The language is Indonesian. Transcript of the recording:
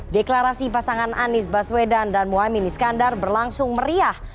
deklarasi pasangan anies baswedan dan muhaymin iskandar berlangsung meriah